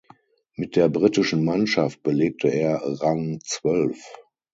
Mit der britischen Mannschaft belegte er Rang zwölf.